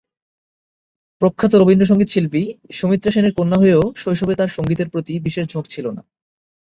প্রখ্যাত রবীন্দ্রসঙ্গীত শিল্পী সুমিত্রা সেনের কন্যা হয়েও শৈশবে তার সঙ্গীতের প্রতি বিশেষ ঝোঁক ছিল না।